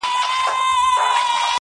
قلندر ويل تا غوښتل غيرانونه.!